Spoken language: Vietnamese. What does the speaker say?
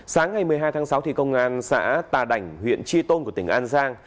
sáng ngày một mươi hai tháng sáu công an xã tà đảnh huyện tri tôn của tỉnh an giang